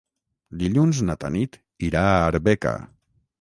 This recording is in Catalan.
Dilluns na Tanit irà a Arbeca.